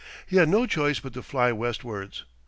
He had no choice but to fly west wards.